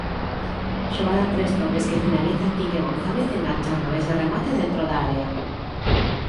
Xogada en tres toques que finaliza Quique González enganchando ese remate dentro da área.